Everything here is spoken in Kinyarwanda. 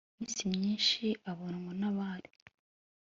iminsi myinshi abonwa n abari